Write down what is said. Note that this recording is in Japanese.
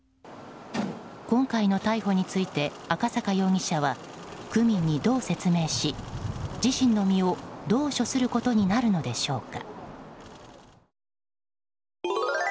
今回の逮捕について赤坂容疑者は区民にどう説明し自身の身をどう処することになるのでしょうか。